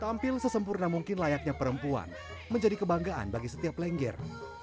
tampil sesempurna mungkin layaknya perempuan menjadi kebanggaan bagi setiap lengger